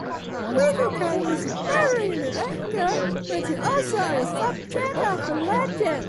Widukind was buried in Enger, which is also a subject of a legend.